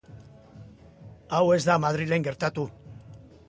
Hau ez da Madrilen gertatu.